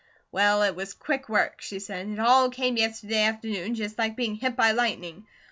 "Well, it was quick work," she said. "It all came yesterday afternoon just like being hit by lightning.